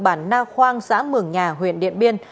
bản na khoang xã mường nhà huyện điện biên